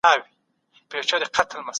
لوړو پوړو ته رسېدل ټولنيز ژوند غواړي.